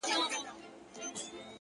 بيا به يې خپه اشـــــــــــــنا.!